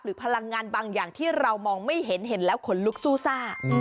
พลังงานบางอย่างที่เรามองไม่เห็นเห็นแล้วขนลุกสู้ซ่า